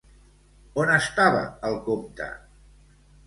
On estava el comte?